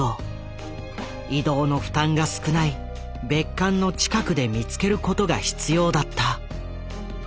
移動の負担が少ない別館の近くで見つけることが必要だった。